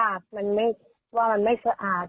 มันก็ติดในเรื่องของการรักษาที่ว่ามันไม่สะอาด